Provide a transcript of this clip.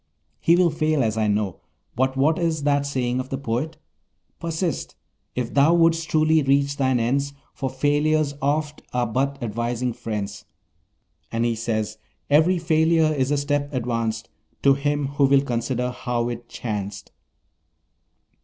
He will fail, as I know, but what is that saying of the poet? "Persist, if thou wouldst truly reach thine ends, For failures oft are but advising friends." And he says: "Every failure is a step advanced, To him who will consider how it chanced."